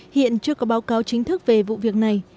hiện chưa có báo cáo chính thức về vụ việc này